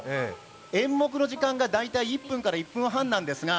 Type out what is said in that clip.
演目の時間が大体１分から１分半なんですが